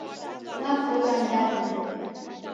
Napoilwa ni daw'ida